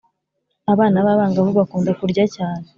abana b’abangavu bakunda kurya cyane.